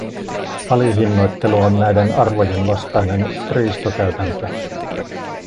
Alihinnoittelu on näiden arvojen vastainen riistokäytäntö.